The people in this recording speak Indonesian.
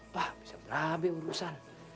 pak bisa berambil urusan